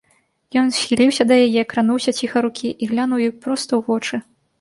Ён схіліўся да яе, крануўся ціха рукі і глянуў ёй проста ў вочы.